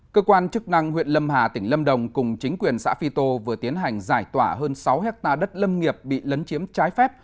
cơ quan chức năng huyện lâm hà tỉnh lâm đồng cùng chính quyền xã phi tô vừa tiến hành giải tỏa hơn sáu hectare đất lâm nghiệp bị lấn chiếm trái phép